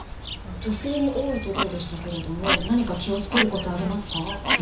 女性に多いということでしたけれども何か気を付けることありますか？